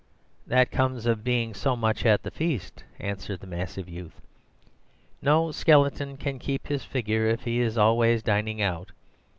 "'That comes of being so much at the feast,' answered the massive youth. 'No skeleton can keep his figure if he is always dining out.